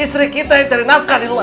istri kita yang cari nafkah di luar